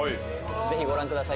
ぜひご覧ください